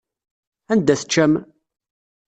Anda teččam?